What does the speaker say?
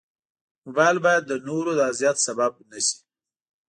موبایل باید د نورو د اذیت سبب نه شي.